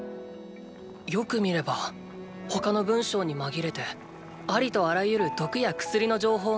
よく見れば他の文章に紛れてありとあらゆる毒や薬の情報が綴られていた。